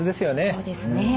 そうですね。